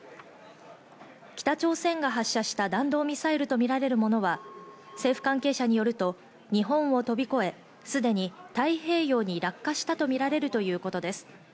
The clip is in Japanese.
北朝鮮が発射した弾道ミサイルとみられるものは、政府関係者によると、日本を飛び越え、すでに太平洋に落下したとみられるということです。